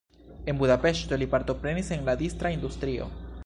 En Budapeŝto li partoprenis en la distra industrio.